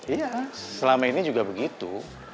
iya selama ini juga begitu